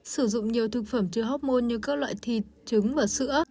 sử dụng nhiều thực phẩm chứa học môn như các loại thịt trứng và sữa